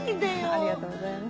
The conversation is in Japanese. ありがとうございます。